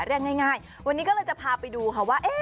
เรียกง่ายวันนี้ก็เลยจะพาไปดูค่ะว่า